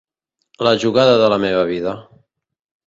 La jugada de la meva vida.